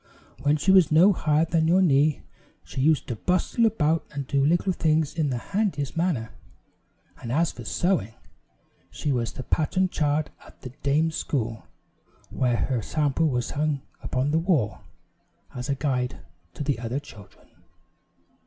When she was no higher than your knee, she used to bustle about and do little things in the handiest manner; and as for sewing, she was the pattern child at the dame's school, where her sampler was hung upon the wall, as a guide to the other children.